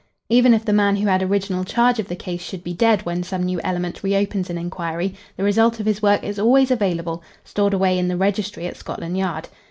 Even if the man who had original charge of the case should be dead when some new element re opens an inquiry, the result of his work is always available, stored away in the Registry at Scotland Yard.